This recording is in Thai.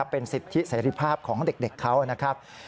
เป็นสิทธิเสรีภาพของเด็กเขานะครับ